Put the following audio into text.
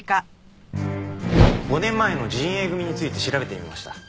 ５年前の仁英組について調べてみました。